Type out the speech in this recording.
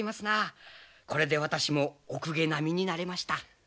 これで私もお公家並みになれました。